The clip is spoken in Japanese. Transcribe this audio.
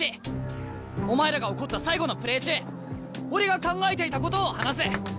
お前らが怒った最後のプレー中俺が考えていたことを話す。